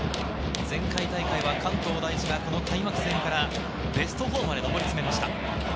前回大会は関東第一が開幕戦からベスト４までのぼりつめました。